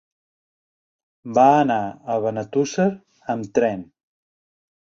Va anar a Benetússer amb tren.